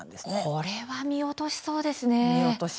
これは見落としそうですね。